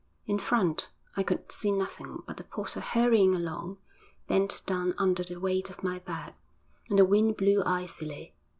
In front, I could see nothing but the porter hurrying along, bent down under the weight of my bag, and the wind blew icily.